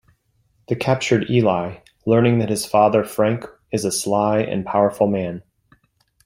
They capture Eli, learning that his father Frank is a sly and powerful man.